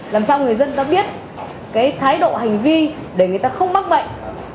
làm sao người dân đã biết cái thái độ hành vi để người ta không bắt bệnh